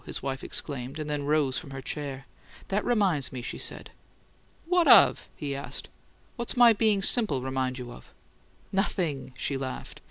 his wife exclaimed, and then rose from her chair. "That reminds me," she said. "What of?" he asked. "What's my being simple remind you of?" "Nothing!" she laughed.